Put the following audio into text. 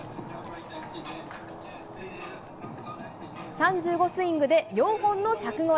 ３５スイングで４本の柵越え。